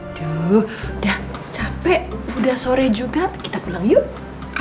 aduh udah capek udah sore juga kita pulang yuk